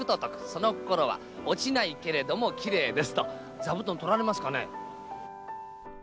その心は、落ちないけれどもきれいですと、座布団取られますかね？